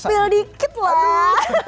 spill dikit lah